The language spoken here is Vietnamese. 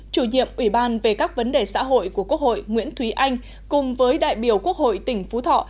chủ nhiệm ủy ban về các vấn đề xã hội của quốc hội nguyễn thúy anh cùng với đại biểu quốc hội tỉnh phú thọ